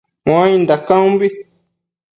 Muainda caumbi